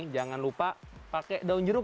jangan lupa pakai daun jeruk